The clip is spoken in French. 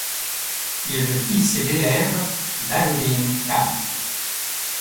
Il est le fils et l'élève d'Allauddin Khan.